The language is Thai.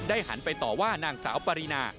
หันไปต่อว่านางสาวปรินา